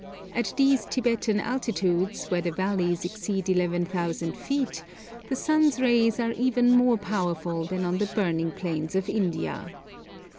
At these Tibetan altitudes, where the valleys exceed 11,000 feet, the sun's rays are even more powerful than on the 'burning plains of India.'